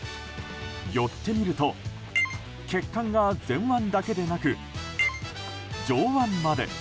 寄ってみると血管が前腕だけでなく上腕まで。